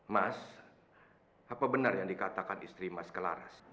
mas apa benar yang dikatakan istri mas kelaras